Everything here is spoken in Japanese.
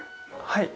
はい。